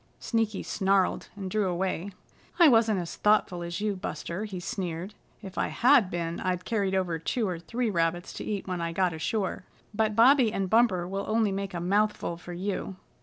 Sneaky snarled and drew away. "I wasn't as thoughtful as you, Buster," he sneered. "If I had been I'd carried over two or three rabbits to eat when I got ashore. But Bobby and Bumper will only make a mouthful for you."